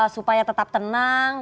supaya tetap tenang